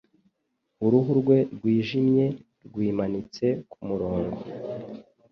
uruhu rwe rwijimye rwimanitse kumurongo